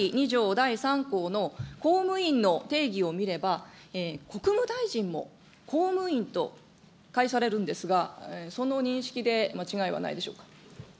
第３項の公務員の定義を見れば、国務大臣も公務員と解されるんですが、その認識で間違いはないでしょうか。